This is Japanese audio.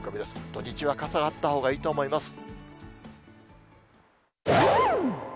土日は傘があったほうがいいと思います。